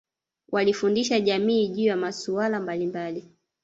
walifundisha jamii juu ya masuala mbalimbali